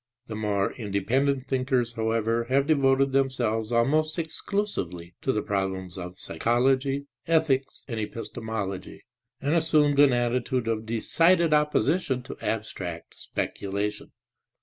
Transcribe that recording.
The more independent thinkers however have devoted themselves almost exclusively to the problems of psychology, ethics and epistemology and assumed an attitude of decided opposition to abstract speculation.